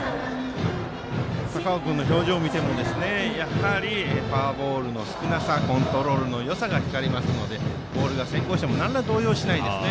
高尾君の表情を見てもフォアボールの少なさコントロールのよさが光りますのでボールが先行してもなんら動揺しないですね。